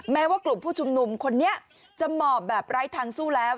แม้ว่ากลุ่มผู้ชุมนุมคนนี้จะหมอบแบบไร้ทางสู้แล้ว